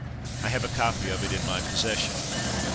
I have a copy of it in my possession.